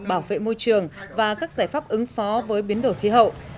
bảo vệ môi trường và các giải pháp ứng phó với biến đổi khí hậu